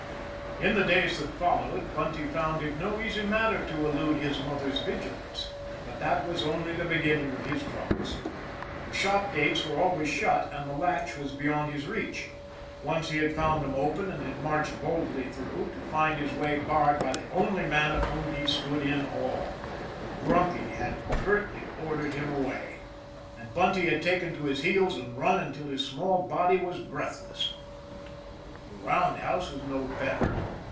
In the days that followed, Bunty found it no easy matter to elude his mother's vigilance; but that was only the beginning of his troubles. The shop gates were always shut, and the latch was beyond his reach. Once he had found them open, and had marched boldly through, to find his way barred by the only man of whom he stood in awe. Grumpy had curtly ordered him away, and Bunty had taken to his heels and run until his small body was breathless. The roundhouse was no better.